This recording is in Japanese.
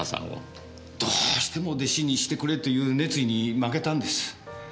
どうしても弟子にしてくれという熱意に負けたんです。